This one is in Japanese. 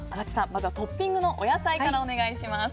まずはトッピングのお野菜からお願いします。